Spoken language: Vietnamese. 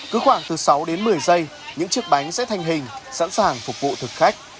cứ khoảng từ sáu đến một mươi giây những chiếc bánh sẽ thành hình sẵn sàng phục vụ thực khách